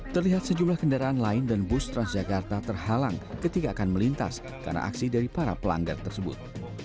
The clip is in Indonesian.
terlihat sejumlah kendaraan lain dan bus transjakarta terhalang ketika akan melintas karena aksi dari para pelanggar tersebut